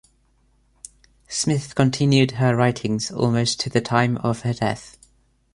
Smith continued her writings almost to the time of her death.